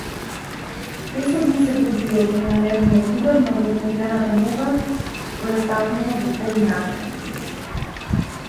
Песот не се буди од ненамерниот удар на вознемирената нога која стапнува во полумракот.